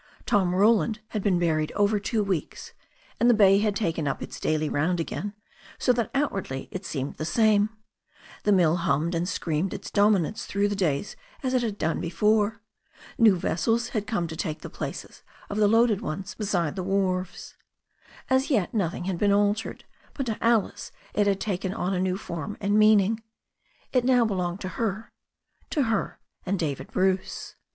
Tom Roland had b^en buried over two weeks, and the bay had taken up its daily round again, so that outwardly it seemed the same. The mill hummed and screamed its dominance through the days as it had done before. New vessels had come to take the places of the loaded ones beside the wharves. As yet nothing had been altered, but to Alice it had taken on a new form and meaning. It now belonged to her, to her and David Bruce.